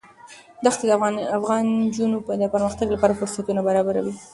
دښتې د افغان نجونو د پرمختګ لپاره فرصتونه برابروي.